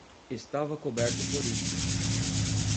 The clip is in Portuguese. Estava coberto por isso.